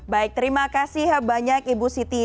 baik terima kasih banyak ibu siti